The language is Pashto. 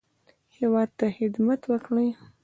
هیواد ته خدمت وکړي.